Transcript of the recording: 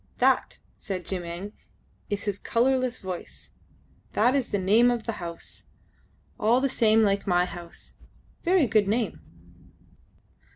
"That," said Jim Eng, in his colourless voice, "that is the name of the house. All the same like my house. Very good name."